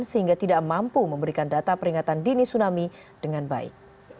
sehingga tidak mampu memberikan data peringatan dini tsunami dengan baik